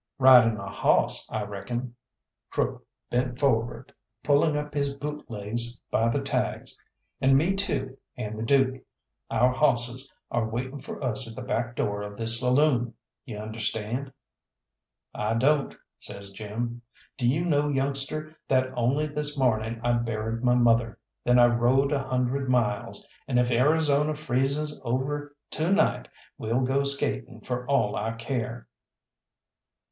"Riding a hawss, I reckon" Crook bent forward, pulling up his boot legs by the tags "and me too and the Dook. Our hawsses are waiting for us at the back door of this saloon. You understand?" "I don't," says Jim. "Do you know, youngster, that only this morning I buried my mother, then I rode a hundred miles, and if Arizona freezes over to night we'll go skating for all I care."